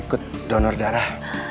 mau ikut donor darah